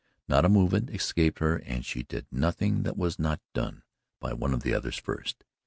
Not a movement escaped her and she did nothing that was not done by one of the others first.